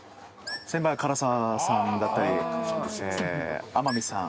先輩唐沢さんだったり天海さん。